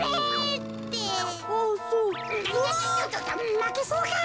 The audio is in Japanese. まけそうか？